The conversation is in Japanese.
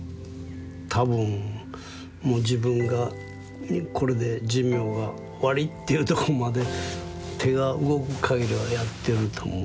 多分もう自分がこれで寿命が終わりっていうとこまで手が動くかぎりはやってると思いますね。